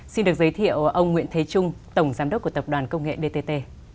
xin được giới thiệu ông nguyễn thế trung tổng giám đốc của tập đoàn công nghệ dtt